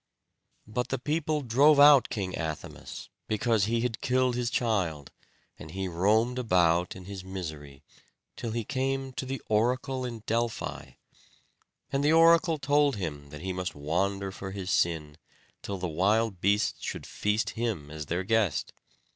But the people drove out King Athamas, because he had killed his child; and he roamed about in his misery, till he came to the Oracle in Delphi. And the Oracle told him that he must wander for his sin, till the wild beasts should feast him as their guest.